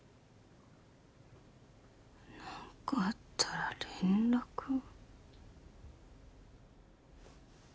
「何かあったら連絡を」